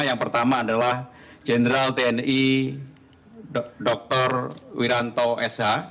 yang pertama adalah general tni dr wiranto s h